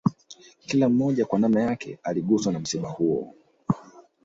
Kila mmoja kwa nanma yake aliguswa na msiba huo